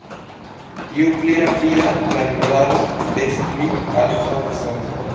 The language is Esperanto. Ju pli rapida la vibrado, des pli alta la sono.